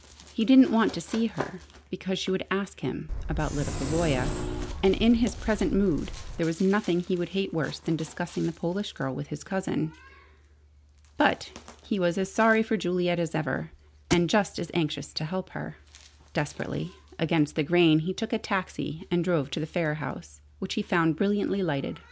He didn't want to see her, because she would ask him about Lyda Pavoya, and in his present mood there was nothing he would hate worse than discussing the Polish girl with his cousin. But he was as sorry for Juliet as ever, and just as anxious to help her. Desperately against the grain, he took a taxi and drove to the Phayre house, which he found brilliantly lighted.